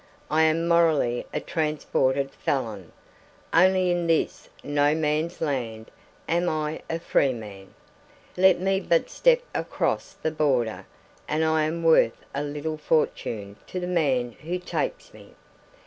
I am morally a transported felon. Only in this no man's land am I a free man; let me but step across the border and I am worth a little fortune to the man who takes me.